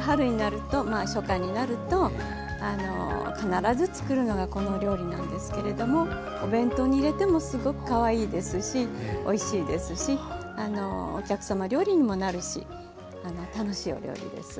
春になると初夏になるとあの必ず作るのがこのお料理なんですけれどもお弁当に入れてもすごくかわいいですしおいしいですしお客様料理にもなるし楽しいお料理です。